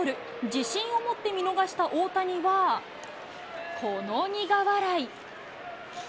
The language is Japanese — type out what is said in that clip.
自信を持って見逃した大谷は、この苦笑い。